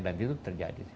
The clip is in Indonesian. dan itu terjadi